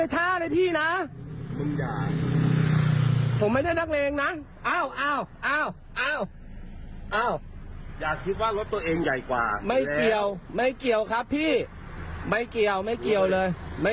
ตามระยะเอ้ากูเม้า